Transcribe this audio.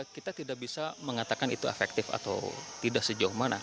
kita tidak bisa mengatakan itu efektif atau tidak sejauh mana